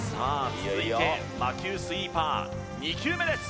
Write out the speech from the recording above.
続いて魔球スイーパー２球目です